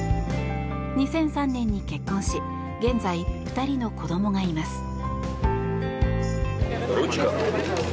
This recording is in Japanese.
２００３年に結婚し現在、２人の子どもがいます。